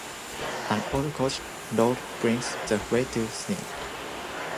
An old coach road brings the Way to Sneem.